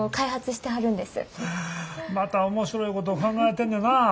また面白いことを考えてんねんなぁ。